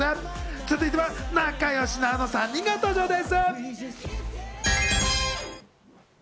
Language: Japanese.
続いては仲良しなあの３人が登場です。